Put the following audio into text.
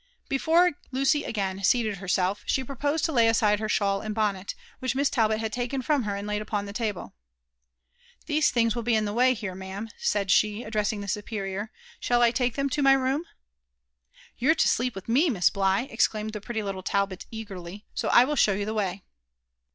Before Lucy again sealed herself, she proposed to lay aside 4ier shawl and bonnet, which Miss Talbot had taken from her and laid u|)on the (able. '• These things will be in the way here, ma'am," said she, address ing the superior: sball I lake lliem to my room?" "You're to sleep with mo. Miss Bligh," exclaimed the preUy little Talbot eagerly ;so [ will show you the way."